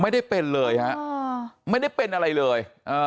ไม่ได้เป็นเลยฮะไม่ได้เป็นอะไรเลย